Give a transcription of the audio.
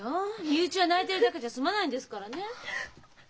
身内は泣いてるだけじゃ済まないんですからね。